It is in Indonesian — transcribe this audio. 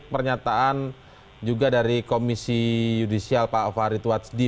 pernyataan juga dari komisi yudisial pak farid wadjdi